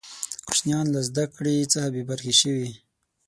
کوچنیان له زده کړي څخه بې برخې شوې.